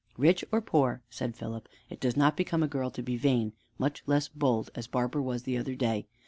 "Rich or poor," said Philip, "it does not become a girl to be vain, much less bold, as Barbara was the other day.